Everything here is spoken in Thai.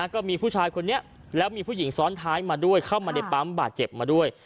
ก็มีผู้ชายคนนี้แล้วมีผู้หญิงซ้อนท้ายมาด้วยเข้ามาในปั๊มบาดเจ็บมาด้วย